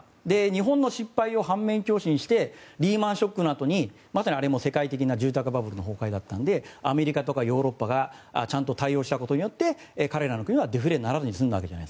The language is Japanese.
日本の失敗を反面教師にしてリーマン・ショックのあとにまさにあれは住宅バブルの崩壊だったのでアメリカとかヨーロッパがちゃんと対応したことによってあれらの国はデフレにならずに済んだわけです。